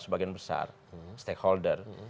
sebagian besar stakeholder